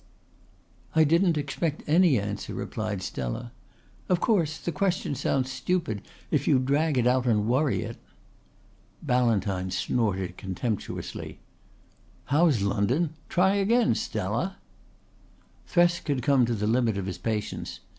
"I didn't expect any answer," replied Stella. "Of course the question sounds stupid if you drag it out and worry it." Ballantyne snorted contemptuously. "How's London? Try again, Stella!" Thresk had come to the limit of his patience.